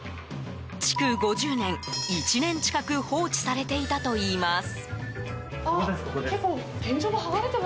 築５０年、１年近く放置されていたといいます。